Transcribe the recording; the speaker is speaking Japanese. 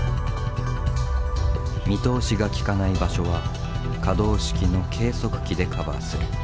見通しがきかない場所は可動式の計測器でカバーする。